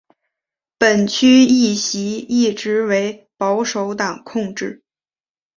本区议席一直为保守党控制。